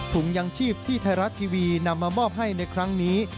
ยังชีพที่ไทยรัฐทีวีนำมามอบให้ในครั้งนี้